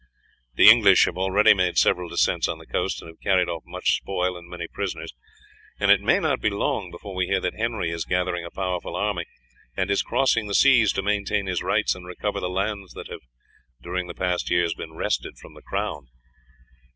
The English have already made several descents on the coast, and have carried off much spoil and many prisoners, and it may not be long before we hear that Henry is gathering a powerful army and is crossing the seas to maintain his rights, and recover the lands that have during past years been wrested from the crown.